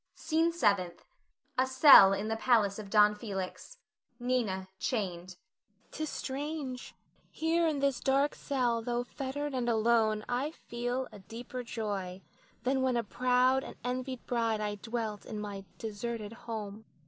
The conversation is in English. SCENE SEVENTH. [A cell in the palace of Don Felix. Nina chained.] Nina. 'T is strange; here in this dark cell, tho' fettered and alone, I feel a deeper joy than when a proud and envied bride I dwelt in my deserted home.